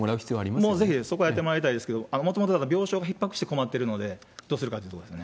もうぜひそこはやってもらいたいですけど、もともと、だから病床がひっ迫して困ってるので、どうするかというところで